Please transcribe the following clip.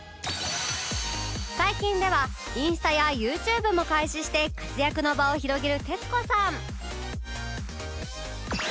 最近ではインスタや ＹｏｕＴｕｂｅ も開始して活躍の場を広げる徹子さん